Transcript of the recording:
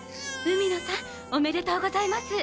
海野さんおめでとうございます！